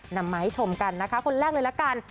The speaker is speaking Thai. นำมาให้ชมกันนะคะคนแรกเลยละกัน